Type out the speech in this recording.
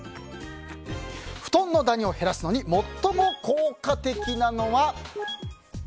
布団のダニを減らすのに最も効果的なのは。